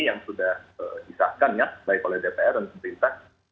yang sudah disahkan ya baik oleh dpr dan pemerintah